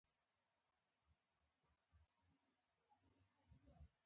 هغوی موټر او ټولې اړینې اسانتیاوې برابرې کړې